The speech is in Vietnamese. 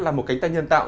là một cánh tay nhân tạo